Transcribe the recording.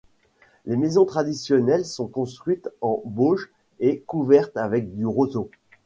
Les maisons traditionnelles sont construites en bauge et couvertes avec du roseau.